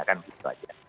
kan begitu saja